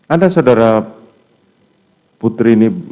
ada saudara putri ini